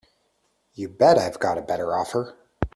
You bet I've got a better offer.